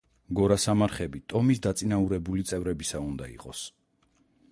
გორასამარხები ტომის დაწინაურებული წევრებისა უნდა იყოს.